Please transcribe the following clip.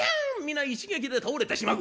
皆一撃で倒れてしまう。